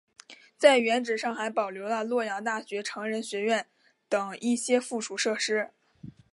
在原址上还保留了洛阳大学成人学院等一些附属设施。